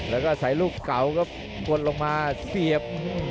แล้วก็ใส่ลูกเก่าครับกวนลงมาเสียบ